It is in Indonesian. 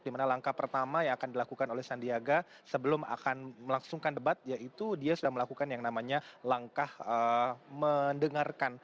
dimana langkah pertama yang akan dilakukan oleh sandiaga sebelum akan melangsungkan debat yaitu dia sudah melakukan yang namanya langkah mendengarkan